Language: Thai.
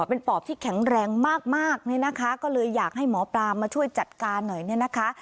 เป็นปอบที่แข็งแรงมากมากเนี่ยนะคะก็เลยอยากให้หมอปลามาช่วยจัดการหน่อยเนี่ยนะคะ